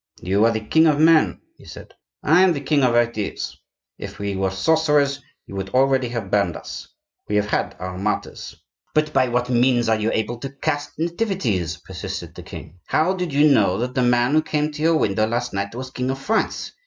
"You are the king of men," he said; "I am the king of ideas. If we were sorcerers, you would already have burned us. We have had our martyrs." "But by what means are you able to cast nativities?" persisted the king. "How did you know that the man who came to your window last night was King of France?